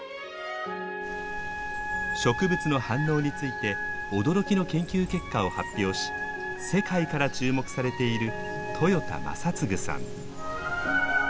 植物の反応について驚きの研究結果を発表し世界から注目されている